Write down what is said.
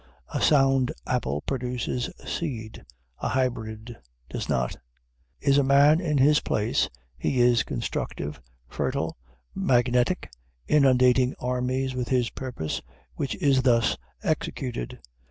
A sound apple produces seed a hybrid does not. Is a man in his place, he is constructive, fertile, magnetic, inundating armies with his purpose, which is thus executed.